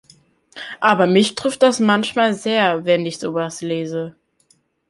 Aber mich trifft das manchmal sehr, wenn ich sowas lese.